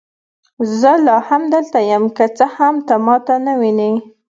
زه لا هم دلته یم، که څه هم ته ما نه وینې.